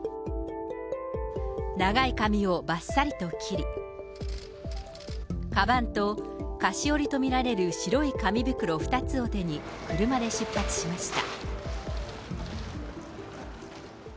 長い髪をばっさりと切り、鞄と菓子折りと見られる白い紙袋２つを手に、車で出発しました。